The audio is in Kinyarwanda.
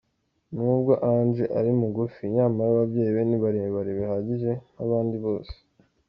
N'ubwo Amge ari mugufi nyamara ababyeyi be ni barebare bihagije nk'abandi bose.